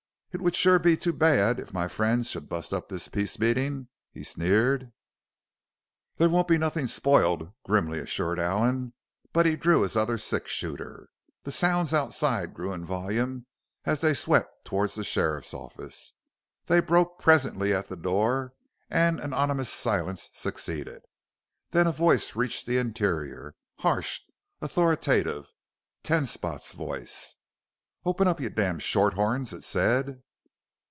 "It would sure be too bad if my friends should bust up this peace meeting," he sneered. "There won't be nothin' spoiled," grimly assured Allen. But he drew his other six shooter. The sounds outside grew in volume as they swept toward the sheriff's office. They broke presently at the door and an ominous silence succeeded. Then a voice reached the interior harsh authoritative Ten Spot's voice. "Open up, you damned shorthorns!" it said.